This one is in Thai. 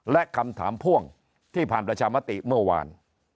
และคำถามพ่วงที่ผ่านประชามติเมื่อวาน